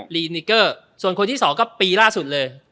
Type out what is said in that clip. ลีนิเกอร์ส่วนคนที่สองก็ปีล่าสุดเลย